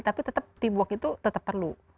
tapi tetap teawork itu tetap perlu